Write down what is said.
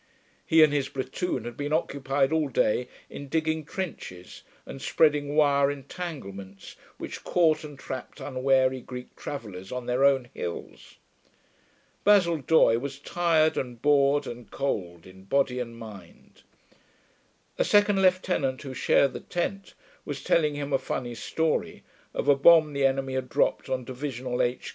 He and his platoon had been occupied all day in digging trenches, and spreading wire entanglements which caught and trapped unwary Greek travellers on their own hills. Basil Doye was tired and bored and cold, in body and mind. A second lieutenant who shared the tent was telling him a funny story of a bomb the enemy had dropped on Divisional H.